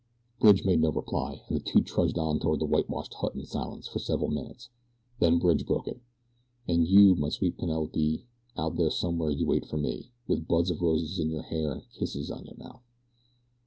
Bridge made no reply, and the two trudged on toward the whitewashed hut in silence for several minutes. Then Bridge broke it: And you, my sweet Penelope, out there somewhere you wait for me With buds of roses in your hair and kisses on your mouth.